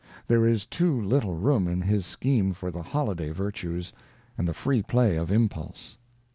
There is too little room in his scheme for the holiday virtues, and the free play of impulse.